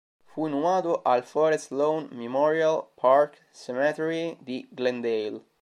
Fu inumato al Forest Lawn Memorial Park Cemetery di Glendale.